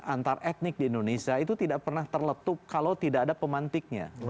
antar etnik di indonesia itu tidak pernah terletup kalau tidak ada pemantiknya